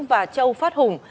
và châu phát hùng